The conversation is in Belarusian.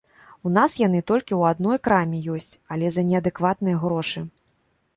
У нас яны толькі ў адной краме ёсць, але за неадэкватныя грошы.